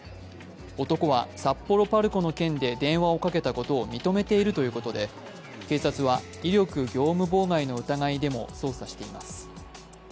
男は札幌ＰＡＲＣＯの件で電話をかけたことを認めているということで警察は威力業務妨害の疑いでも捜査しています。